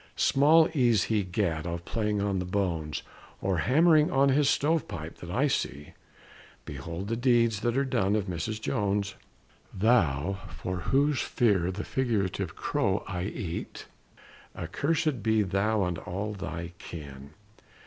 Small ease he gat of playing on the bones, Or hammering on his stovepipe, that I see. Behold the deeds that are done of Mrs. Jones! Thou, for whose fear the figurative crow I eat, accursed be thou and all thy kin!